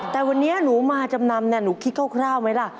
แต่วันนี้หนูมาจำนำหนูคิดคร่าวไหมล่ะ